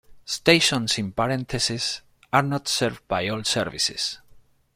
Stations in parentheses are not served by all services.